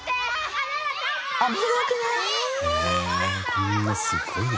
こんなすごいね。